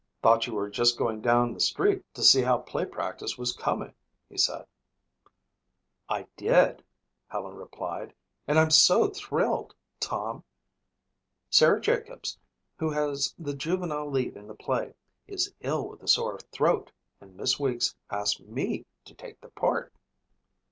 "Thought you were just going down the street to see how play practice was coming?" he said. "I did," Helen replied, "and I'm so thrilled, Tom. Sarah Jacobs, who has the juvenile lead in the play is ill with a sore throat and Miss Weeks asked me to take the part."